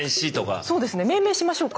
そうですね命名しましょうか。